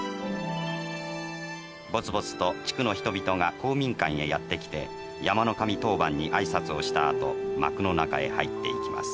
「ぼつぼつと地区の人々が公民館へやってきて山の神当番に挨拶をしたあと幕の中へ入っていきます。